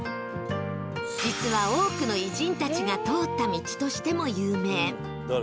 実は多くの偉人たちが通った道としても有名